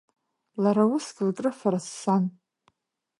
Лара усгьы лкрыфара ссан.